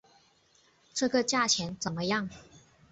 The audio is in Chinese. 这个价钱怎么样？